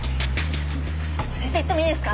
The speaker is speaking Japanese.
先生行ってもいいですか？